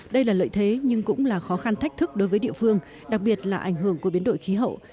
đây là lợi thế nhưng cũng là khó khăn thách thức đối với địa phương đặc biệt là ảnh hưởng của biến đổi khí hậu